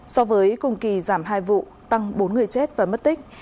so với cùng kỳ giảm hai vụ tăng bốn người chết và mất tích